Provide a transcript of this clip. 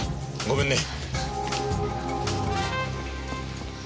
ごめんね。